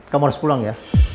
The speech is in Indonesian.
kamu harus pulang ya